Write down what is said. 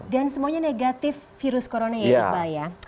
dan semuanya negatif virus corona ya iqbal ya